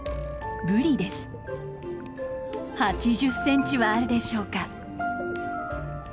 ８０センチはあるでしょうか。